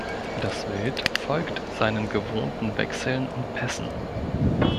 Das Wild folgt seinen gewohnten Wechseln und Pässen.